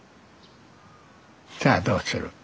さあどうする。